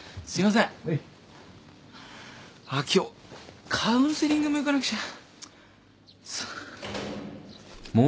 あっ今日カウンセリングも行かなくちゃ。